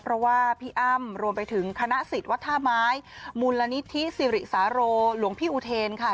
เพราะว่าพี่อ้ำรวมไปถึงคณะสิทธิ์วัดท่าไม้มูลนิธิสิริสาโรหลวงพี่อุเทนค่ะ